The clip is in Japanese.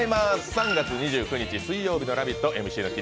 ３月２９日水曜日の「ラヴィット！」